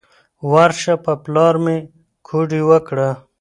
ورشه په پلار مې کوډې وکړه.